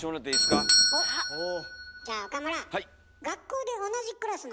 じゃあ岡村。